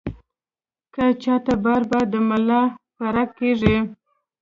کۀ چاته بار بار د ملا پړق کيږي